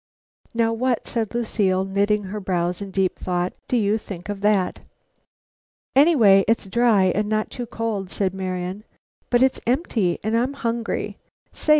"Now what," said Lucile, knitting her brows in deep thought, "do you think of that?" "Anyway, it's dry, and not too cold," said Marian. "But it's empty, and I'm hungry. Say!"